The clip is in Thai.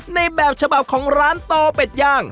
ในแบบฉบับของร้านโตเป็ดย่าง